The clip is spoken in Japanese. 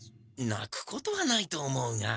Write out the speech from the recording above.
なくことはないと思うが。